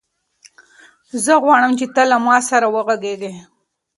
زه غواړم چې ته له ما سره وغږېږې.